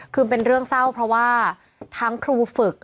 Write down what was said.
คือเป็นเรื่องเศร้าเพราะว่าทั้งครูฝึก